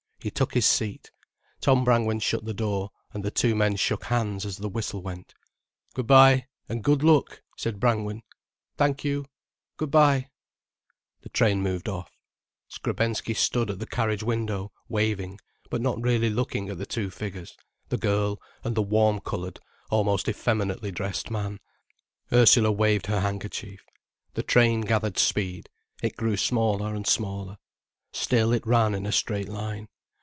He took his seat. Tom Brangwen shut the door, and the two men shook hands as the whistle went. "Good bye—and good luck," said Brangwen. "Thank you—good bye." The train moved off. Skrebensky stood at the carriage window, waving, but not really looking to the two figures, the girl and the warm coloured, almost effeminately dressed man. Ursula waved her handkerchief. The train gathered speed, it grew smaller and smaller. Still it ran in a straight line.